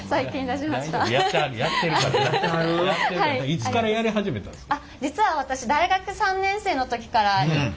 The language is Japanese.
いつからやり始めたんですか？